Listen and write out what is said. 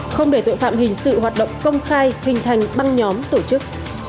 không để tội phạm hình sự hoạt động công khai hình thành băng nhóm tổ chức